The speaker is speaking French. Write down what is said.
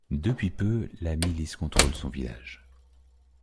Depuis peu, la Milice contrôle son village.